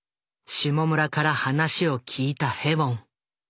下村から話を聞いたヘウォン。